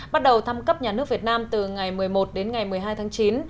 bắt đầu thăm cấp nhà nước việt nam từ ngày một mươi một đến ngày một mươi hai tháng chín